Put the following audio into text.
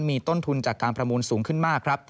มีต้นทุนจากการประมูลสูงขึ้นมากครับ